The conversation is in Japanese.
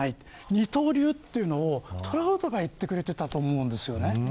二刀流というのをトラウトが言ってくれていたと思うんです。